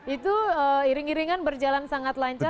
itu iring iringan berjalan sangat lancar